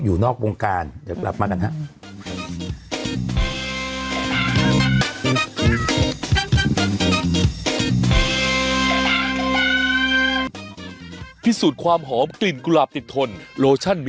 อยู่นอกวงการเดี๋ยวกลับมากันฮะ